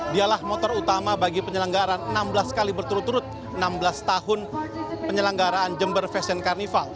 dialah motor utama bagi penyelenggaran enam belas kali berturut turut enam belas tahun penyelenggaraan jember fashion carnival